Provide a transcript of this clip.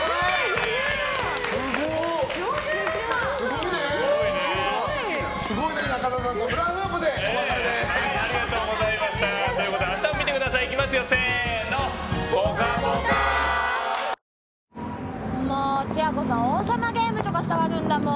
余裕だ！もつや子さん王様ゲームとかしたがるんだもん。